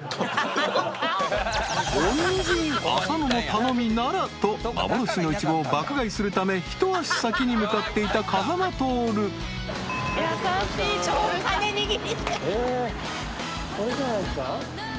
［恩人浅野の頼みならと幻のイチゴを爆買いするため一足先に向かっていた風間トオル］えーっ？